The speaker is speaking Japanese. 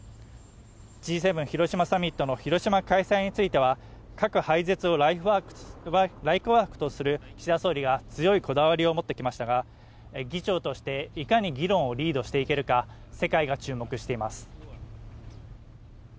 Ｇ７広島サミットの広島開催については核廃絶をライフワークとする岸田総理が強いこだわりを持ってきましたが、議長として、いかに議論をリードしていけるか、世界が注目しています。